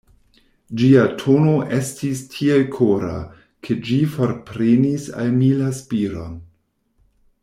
Ĝia tono estis tiel kora, ke ĝi forprenis al mi la spiron.